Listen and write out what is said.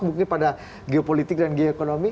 mungkin pada geopolitik dan geokonomi